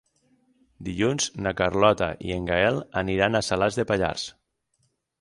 Dilluns na Carlota i en Gaël aniran a Salàs de Pallars.